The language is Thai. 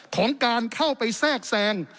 ของการเข้าไปแทรกแทรง